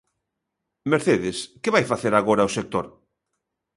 Mercedes, que vai facer agora o sector?